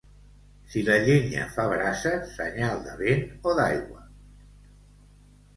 Si la llenya fa brasa, senyal de vent o d'aigua.